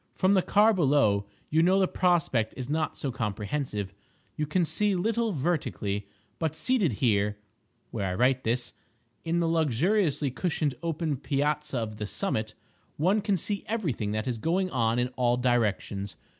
From the car below you know the prospect is not so comprehensive—you can see little vertically. But seated here (where I write this) in the luxuriously cushioned open piazza of the summit, one can see everything that is going on in all directions.